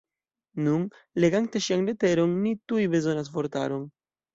Nun, legante ŝian leteron ni tuj bezonas vortaron.